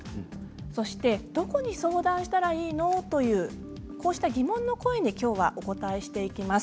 そしてどこに相談したらいいの？というこうした疑問の声にきょうはお答えしていきます。